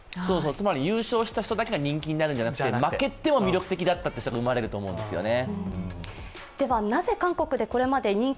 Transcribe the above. つまり優勝した人だけが人気になるんじゃなくて負けても魅力的だった人が生まれると思うんですよね。